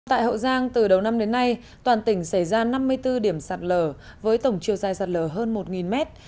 tại hậu giang từ đầu năm đến nay toàn tỉnh xảy ra năm mươi bốn điểm sạt lở với tổng chiều dài sạt lở hơn một mét